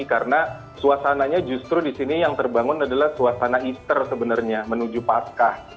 karena suasananya justru di sini yang terbangun adalah suasana easter sebenarnya menuju pascah